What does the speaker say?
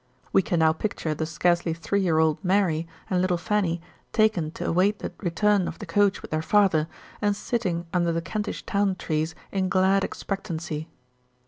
We can now picture the scarcely three year old Mary and little Fanny taken to await the return of the coach with their father, and sitting under the Kentish Town trees in glad expectancy.